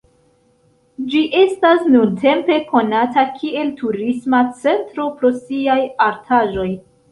Ĝi estas nuntempe konata kiel turisma centro pro siaj artaĵoj.